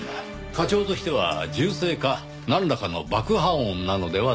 課長としては銃声かなんらかの爆破音なのではないかと。